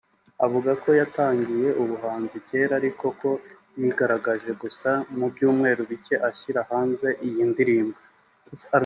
avuga ko yatangiye ubuhanzi kera ariko ko yigaragaje gusa mu byumweru bike ashyira hanze iyi ndirimbo